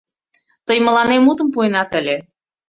— Тый мыланем мутым пуэнат ыле!